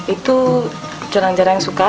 itu jarang jarang suka